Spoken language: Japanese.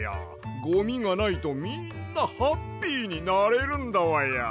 ゴミがないとみんなハッピーになれるんだわや。